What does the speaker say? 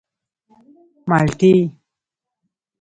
_مالټې.